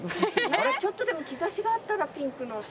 ちょっとでも兆しがあったらピンクの。